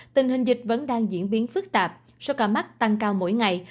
tình hình dịch vẫn đang diễn biến phức tạp số ca mắc tăng cao mỗi ngày